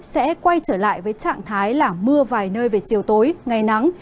sẽ quay trở lại với trạng thái là mưa vài nơi về chiều tối ngày nắng